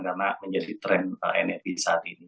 karena menjadi tren energi saat ini